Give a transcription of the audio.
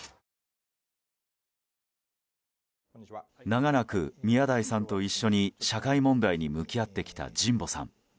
長らく宮台さんと一緒に社会問題に向き合ってきた神保さん。